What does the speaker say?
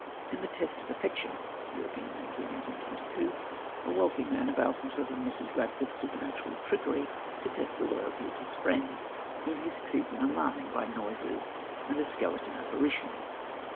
In The Test of Affection (European Magazine, 1822) a wealthy man avails himself of Mrs. Radcliffe's supernatural trickery to test the loyalty of his friends, whom he succeeds in alarming by noises and a skeleton apparition.